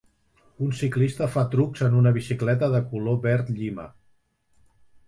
Un ciclista fa trucs en una bicicleta de color verd llima.